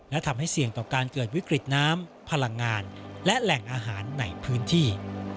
และทำให้เสี่ยงต่อการเกิดวิกฤตน้ำพลังงานและแหล่งอาหารในพื้นที่